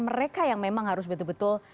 mereka yang memang harus betul betul